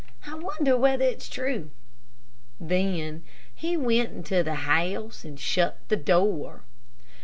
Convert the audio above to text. I wonder whether it's true?" Then he went into the house and shut the door.